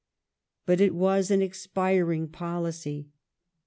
But it was an expiring policy.